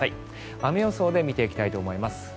雨予想で見ていきたいと思います。